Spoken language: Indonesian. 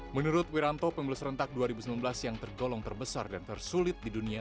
menurut wiranto pemilu serentak dua ribu sembilan belas yang tergolong terbesar dan tersulit di dunia